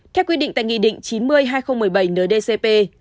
theo quy định tại nghị định chín mươi hai nghìn một mươi bảy ndcp